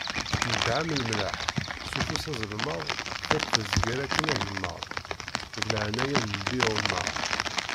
Nnḍeɣ-am lemlaḥ, s ufus aẓelmaḍ, tiṭ tezger akkin agemmaḍ, deg laɛnaya n nnbi Ɛumar.